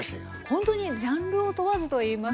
ほんとにジャンルを問わずといいますか。